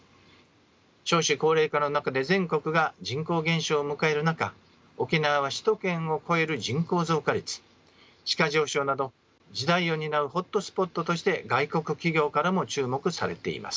少子高齢化の中で全国が人口減少を迎える中沖縄は首都圏を超える人口増加率地価上昇など時代を担うホットスポットとして外国企業からも注目されています。